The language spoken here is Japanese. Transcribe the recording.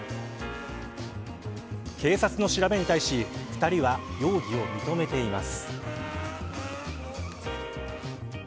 警察の調べに対し２人は容疑を認めています。